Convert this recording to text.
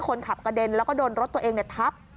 คนขับกระเด็นแล้วก็โดนรถตัวเองทับ